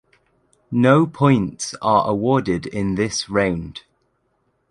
No points are awarded in this round.